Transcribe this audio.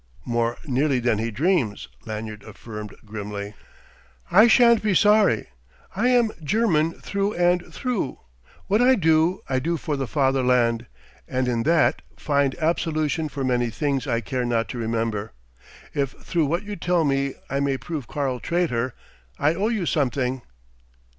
"More nearly than he dreams," Lanyard affirmed grimly. "I shan't be sorry. I am German through and through; what I do, I do for the Fatherland, and in that find absolution for many things I care not to remember. If through what you tell me I may prove Karl traitor, I owe you something."